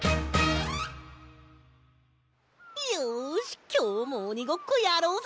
よしきょうもおにごっこやろうぜ！